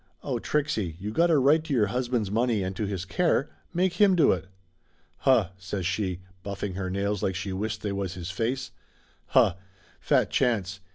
"Oh, Trixie, you got a right to your husband's money and to his care. Make him do it!" "Huh!" says she, buffing her nails like she wished they was his face. "Huh! Fat chance!